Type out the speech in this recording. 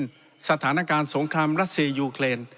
จีนสถานการณ์สงครามรัสเซียยูเคลียน